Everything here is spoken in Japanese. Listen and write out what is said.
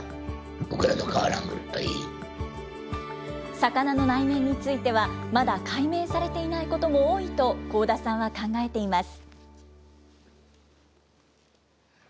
魚の内面については、まだ解明されていないことも多いと幸田さんは考えています。